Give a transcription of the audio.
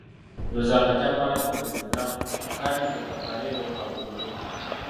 Yoza akatambaala ko buli lunaku, kaanike kakale era okagolole.